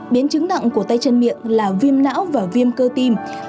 biến chứng nặng của tay chân miệng là viêm não và viêm cơ tim